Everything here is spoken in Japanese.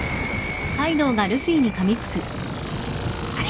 あれ？